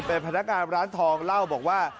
เป็นพนักงานร้านทองเล่าบอกว่า